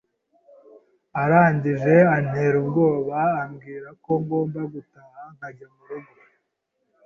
arangije antera ubwoba ambwira ko ngomba gutaha nkajya mu rugo